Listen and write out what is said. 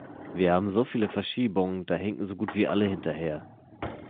Wir haben so viele Verschiebungen, da hinken so gut wie alle hinterher.